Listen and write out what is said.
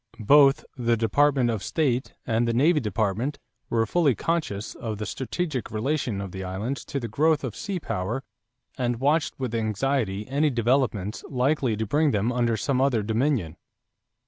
Both the Department of State and the Navy Department were fully conscious of the strategic relation of the islands to the growth of sea power and watched with anxiety any developments likely to bring them under some other Dominion.